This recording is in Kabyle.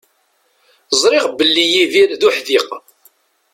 Ẓriɣ belli Yidir d uḥdiq.